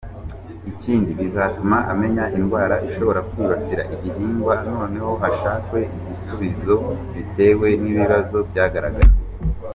Ikindi bizatuma amenya indwara ishobora kwibasira igihingwa noneho hashakwe ibisubizo bitewe n’ikibazo cyagaragaye.